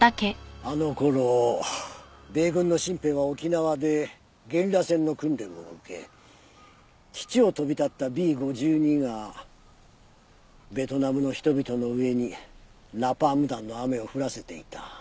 あの頃米軍の新兵は沖縄でゲリラ戦の訓練を受け基地を飛び立ったＢ−５２がベトナムの人々の上にナパーム弾の雨を降らせていた。